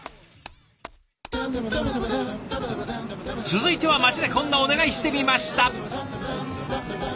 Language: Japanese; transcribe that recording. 続いては街でこんなお願いしてみました。